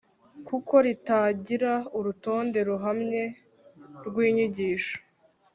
kuko ritagira urutonde ruhamye rw’inyigisho